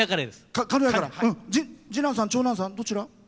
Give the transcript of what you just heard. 次男さん長男さんどちら？